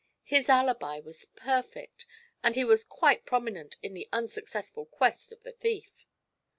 His alibi was perfect and he was quite prominent in the unsuccessful quest of the thief."